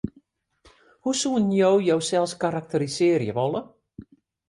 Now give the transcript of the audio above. Hoe soenen jo josels karakterisearje wolle?